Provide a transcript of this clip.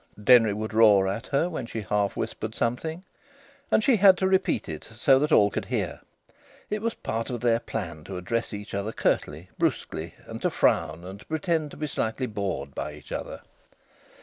Denry would roar at her when she half whispered something, and she had to repeat it so that all could hear. It was part of their plan to address each other curtly, brusquely, and to frown, and to pretend to be slightly bored by each other.